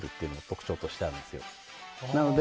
なので。